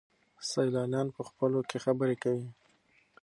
سیلانیان په خپلو کې خبرې کوي.